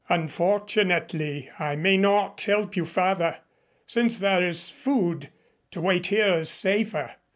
"Unfortunately I may not help you further. Since there is food, to wait here is safer.